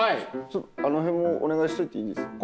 ちょっとあの辺もお願いしといていいですか？